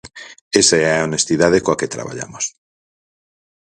Esa é a honestidade coa que traballamos.